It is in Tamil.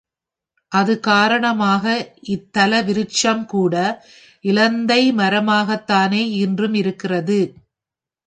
அது காரணமாக இத்தல விருக்ஷம் கூட, இலந்தை மரமாகத்தானே இன்றும் இருக்கிறது.